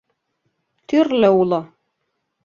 — Тӱрлӧ уло.